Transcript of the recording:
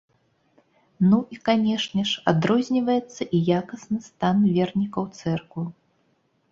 Ну і, канешне ж, адрозніваецца і якасны стан вернікаў цэркваў.